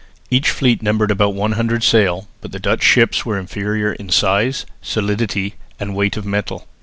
Each fleet numbered about 100 sail, but the Dutch ships were inferior in size, solidity and weight of metal.